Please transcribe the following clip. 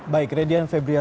baik radian febriansyah